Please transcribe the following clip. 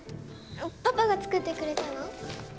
パパが作ってくれたの？